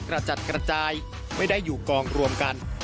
กระจัดกระจายไม่ได้อยู่กองรวมกัน